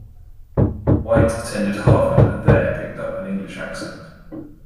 White attended Harvard and there picked up an English accent.